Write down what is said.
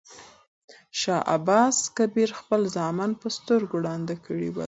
شاه عباس کبیر خپل زامن په سترګو ړانده کړي ول.